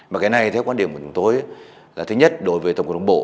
mà cái này theo quan điểm của chúng tôi là thứ nhất đối với tổng cục đồng bộ